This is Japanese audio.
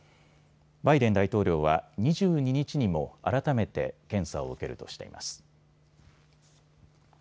バイデン大統領は２２日にも改めて検査を受けるとしています。